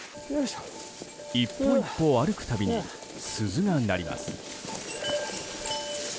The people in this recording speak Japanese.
１歩１歩、歩くたびに鈴が鳴ります。